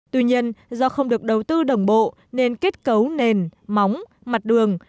tuy nhiên do không được đầu tư đồng bộ nên kết cấu nền móng mặt đường